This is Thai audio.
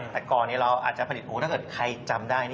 แต่ก่อนเราอาจจะผลิตหมูถ้าเกิดใครจำได้